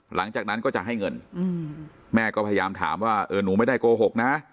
หลังจากนั้นก็จะให้เงินแม่ก็พยายามถามว่าเออหนูไม่ได้โกหกนะ